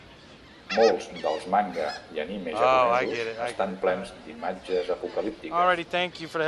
Molts dels manga i anime japonesos estan plens d'imatges apocalíptiques.